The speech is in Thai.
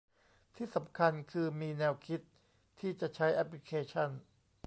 ที่สำคัญคือมีแนวคิดที่จะใช้แอพลิเคชัน